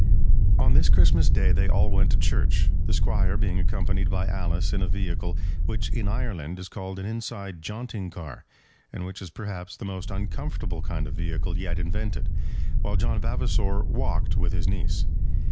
On this Christmas Day they all went to church, the Squire being accompanied by Alice in a vehicle which in Ireland is called an inside jaunting car, and which is perhaps the most uncomfortable kind of vehicle yet invented; while John Vavasor walked with his niece.